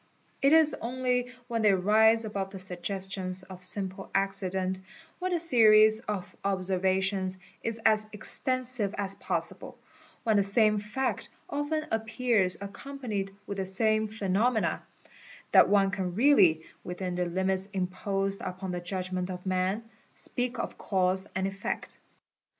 It is only when they rise above the suggestions of simple accident, when the series of observations is as extensive as possible, when the same fact often appears accompanied with the same phenomena, that one can really, within the limits imposed ~ upon the judgment of man, speak of cause and effect.